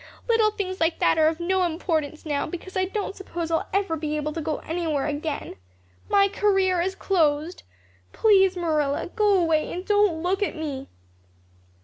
Little things like that are of no importance now because I don't suppose I'll ever be able to go anywhere again. My career is closed. Please, Marilla, go away and don't look at me."